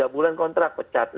tiga bulan kontrak pecat